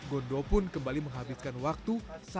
gondo pun kembali menghabiskan waktu